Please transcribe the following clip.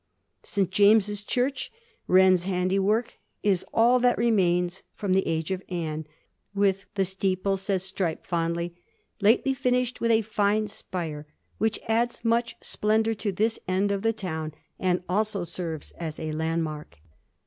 St. James's Church, Wren's handiwork, is aU that remains from the age of Anne, with * the steeple,' says Strype fondly, * lately finished with a fine spire, which adds much splendour to this end of the town, and also serves as a landmark.'